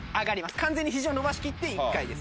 完全にひじを伸ばしきって１回です。